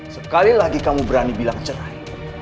sekali lagi kamu berani bilang cerai